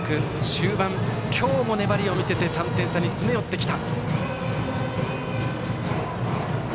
終盤、今日も粘りを見せて３点差に詰め寄ってきた。